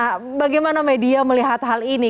nah bagaimana media melihat hal ini